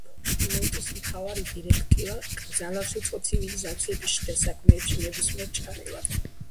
ვარსკვლავური ფლოტის მთავარი დირექტივა კრძალავს უცხო ცივილიზაციების შიდა საქმეებში ნებისმიერ ჩარევას.